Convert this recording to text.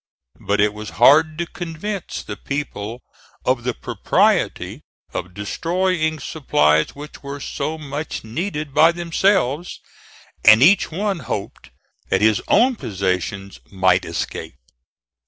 But it was hard to convince the people of the propriety of destroying supplies which were so much needed by themselves, and each one hoped that his own possessions might escape.